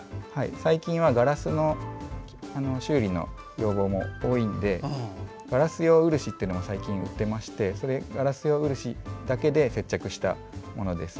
最近はガラスの修理の要望も多いのでガラス用漆も売っていましてガラス用漆だけで接着したものです。